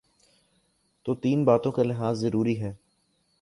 تو تین باتوں کا لحاظ ضروری ہے۔